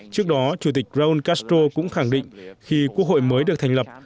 trước đó chủ tịch pral castro cũng khẳng định khi quốc hội mới được thành lập